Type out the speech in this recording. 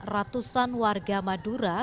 ratusan warga madura